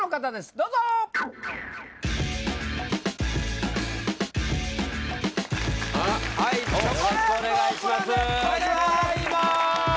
よろしくお願いします